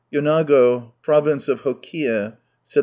Yotiago, Province of Hokii, Sept.